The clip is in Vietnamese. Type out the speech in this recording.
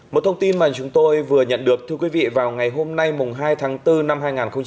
một thông tin mà chúng tôi vừa nhận được thưa quý vị vào ngày hôm nay hai tháng bốn năm hai nghìn hai mươi